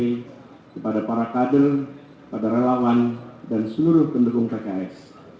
terima kasih kepada seluruh jajaran dpp kepada relawan dan seluruh pendukung pks